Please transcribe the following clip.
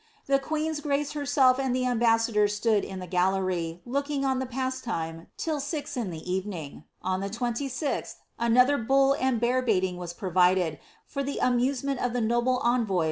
The queen's grace herself and the arobaiaadon Mood in. the gallery, looking on the pastime, till six in the et%ning. On the 26th, another bull and bear baiting was provided, for the amuse ment of tlie noble envoy?